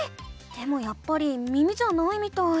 でもやっぱり耳じゃないみたい。